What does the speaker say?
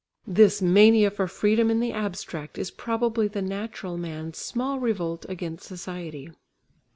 This mania for freedom in the abstract is probably the natural man's small revolt against society.